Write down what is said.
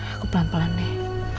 aku pelan pelan deh